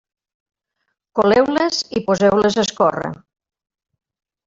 Coleu-les i poseu-les a escórrer.